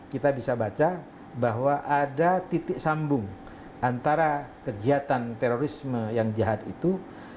kita bisa baca bahwa ada titik sambung antara kegiatan terorisme yang jahat itu